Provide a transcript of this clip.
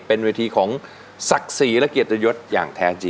เป็นเวทีของศักดิ์ศรีและเกียรติยศอย่างแท้จริง